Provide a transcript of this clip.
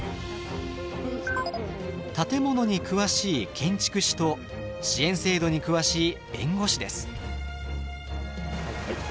建物に詳しい建築士と支援制度に詳しい弁護士です。